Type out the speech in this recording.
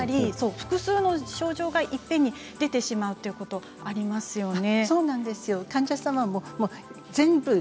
複数の症状がいっぺんに出てしまうということがありますよね。